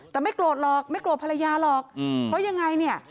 แต่ไม่โกรธหรอกไม่โกรธภรรยาหรอกเพราะยังไงเนี่ย